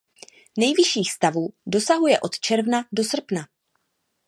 Nejvyšších stavů dosahuje od června do srpna.